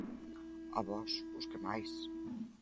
A vós, os que máis.